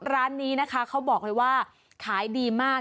ร้านนี้นะคะเขาบอกเลยว่าขายดีมาก